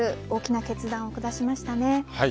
大きな決断を下しました。